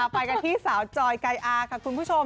ไปกันที่สาวจอยไก่อาค่ะคุณผู้ชม